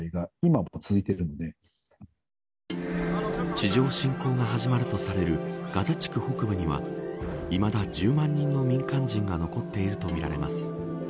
地上侵攻が始まるとされるガザ地区北部にはいまだ、１０万人の民間人が残っているとみられます。